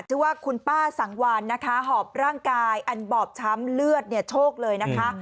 ชื่อว่าคุณป้าสังวานนะคะหอบร่างกายอันบอบช้ำเลือดเนี่ยโชคเลยนะคะ